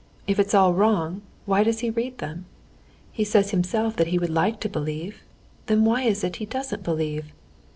If it's all wrong, why does he read them? He says himself that he would like to believe. Then why is it he doesn't believe?